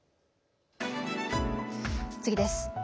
次です。